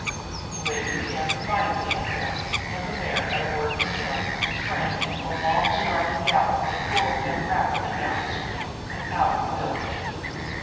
He waved his hand defiantly at them and the mare, at a word from him, sprang into a long striding gallop that whirled them rapidly down the street and out of the village.